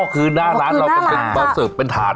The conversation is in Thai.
คือหน้าร้านเราเป็นมาเสิร์ฟเป็นถาด